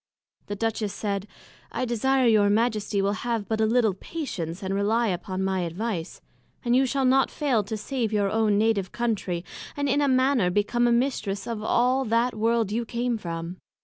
The Duchess said, I desire your Majesty will have but a little patience, and relie upon my advice, and you shall not fail to save your own Native Country, and in a manner become a Mistress of all that World you came from.